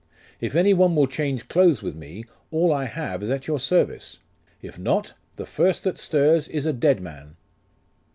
If any one will change clothes with me, all I have is at your service. If not, the first that stirs is a dead man.